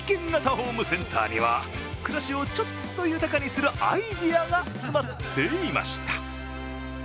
ホームセンターには暮らしをちょっと豊かにするアイデアが詰まっていました。